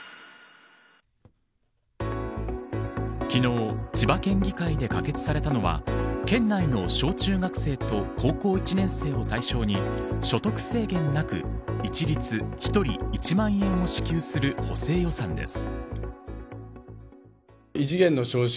昨日千葉県議会で可決されたのは県内の小中学生と高校１年生を対象に所得制限なく一律１人１万円を支給する補正予算です。